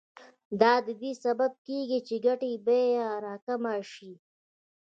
دا د دې سبب کېږي چې د ګټې بیه راکمه شي